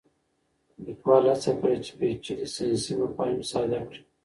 لیکوال هڅه کړې چې پېچلي ساینسي مفاهیم ساده کړي.